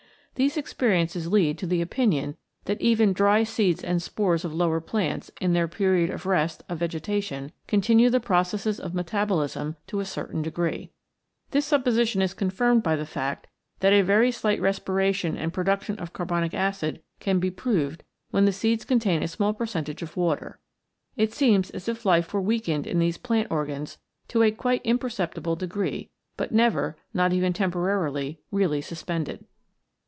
These experiences lead to the opinion that even dry seeds and spores of lower plants in their period of rest of vegetation continue the processes of metabolism to a certain degree. This supposition is confirmed by the fact that a very slight respiration and production of carbonic acid can be proved when the seeds contain a small percentage of water. It seems as if life were weakened in these plant organs to a quite im perceptible degree, but never, not even tempo rarily, really suspended.